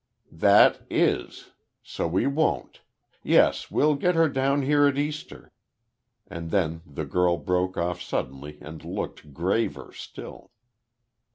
"`That' is. So we won't. Yes, we'll get her down here at Easter," and then the girl broke off suddenly and looked graver still.